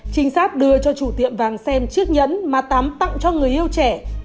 trinh sát đưa cho chủ tiệm vàng xem chiếc nhẫn mà tám tặng cho người yêu trẻ